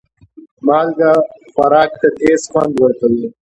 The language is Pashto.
مالګه خوراک ته تیز خوند ورکوي.